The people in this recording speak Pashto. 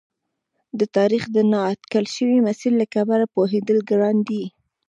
د تاریخ د نا اټکل شوي مسیر له کبله پوهېدل ګران دي.